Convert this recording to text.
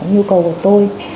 với cả nhu cầu của tôi